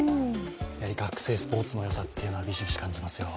学生スポーツのよさというのはびしびし感じますよ。